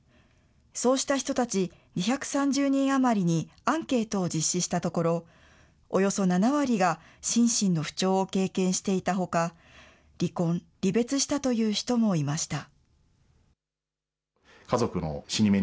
そうした人たち２３０人余りにアンケートを実施したところ、およそ７割が心身の不調を経験していたほか、離婚、離別したという人もいました。